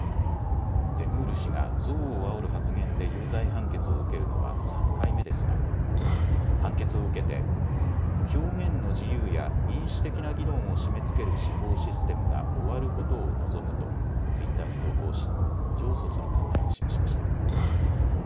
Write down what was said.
ゼムール氏が憎悪をあおる発言で有罪判決を受けるのは３回目ですが判決を受けて表現の自由や民主的な議論を締めつける司法システムが終わることを望むとツイッターに投稿し、上訴する考えを示しました。